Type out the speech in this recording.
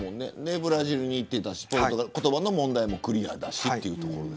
ブラジルに行っていたし言葉の問題もクリアだし。